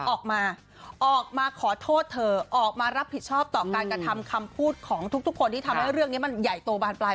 ออกมาออกมาขอโทษเธอออกมารับผิดชอบต่อการกระทำคำพูดของทุกคนที่ทำให้เรื่องนี้มันใหญ่โตบานปลาย